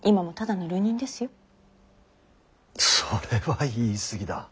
それは言い過ぎだ。